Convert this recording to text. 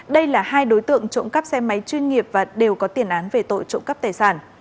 đây là hai đối tượng trộm cắp xe máy chuyên nghiệp và đều có tiền án về tội trộm cắp tài sản